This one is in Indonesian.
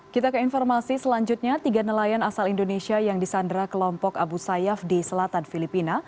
kita ke informasi selanjutnya tiga nelayan asal indonesia yang disandra kelompok abu sayyaf di selatan filipina